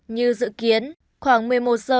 như dự kiến khoảng một mươi một giờ